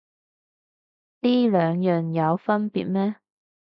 呢兩樣有分別咩